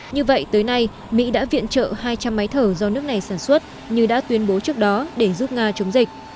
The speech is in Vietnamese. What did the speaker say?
như vậy tới nay mỹ đã viện trợ hai trăm linh máy thở do nước này sản xuất như đã tuyên bố trước đó để giúp nga chống dịch